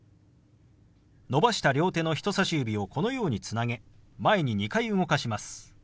伸ばした両手の人さし指をこのようにつなげ前に２回動かします。